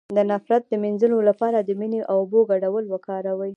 د نفرت د مینځلو لپاره د مینې او اوبو ګډول وکاروئ